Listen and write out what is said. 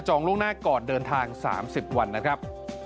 ล่วงหน้าก่อนเดินทาง๓๐วันนะครับ